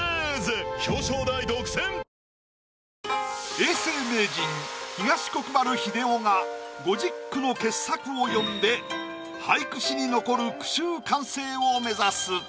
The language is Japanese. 永世名人東国原英夫が５０句の傑作を詠んで俳句史に残る句集完成を目指す。